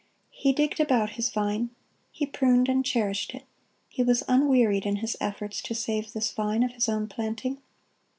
He digged about His vine; He pruned and cherished it. He was unwearied in His efforts to save this vine of His own planting.